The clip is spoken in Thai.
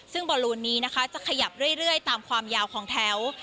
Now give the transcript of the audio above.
ซึ่งบอลลูนนี้นะคะจะขยับเรื่อยตามความยาวของแถว